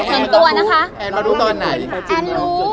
แอนมาดูตัวไหน